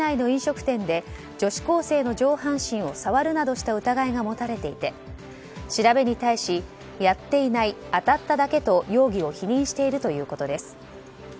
川又容疑者は藤沢市内の飲食店で女子高生の上半身を触るなどした疑いが持たれていて調べに対し、やっていない当たっただけと容疑を否認しているということです。